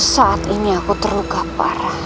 saat ini aku terluka parah